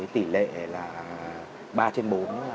tỷ lệ là ba trên bốn